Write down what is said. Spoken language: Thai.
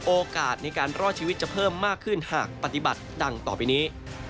โอกาสในการรอดชีวิตจะเพิ่มมากขึ้นหากปฏิบัติดังต่อไปนี้